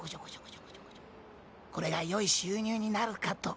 これが良い収入になるかと。